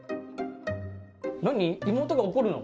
なに妹が怒るの？